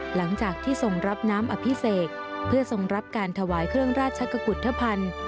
หลังจากที่ทรงรับน้ำอภิเษกเพื่อทรงรับการถวายเครื่องราชกุฏธภัณฑ์